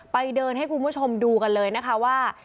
ไปเดินให้คุณผู้ชมดูกันเลยนะคะว่า